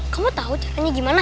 kamu tau caranya gimana